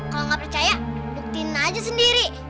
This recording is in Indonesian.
kalau nggak percaya buktiin aja sendiri